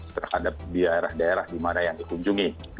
terhadap daerah daerah di mana yang dikunjungi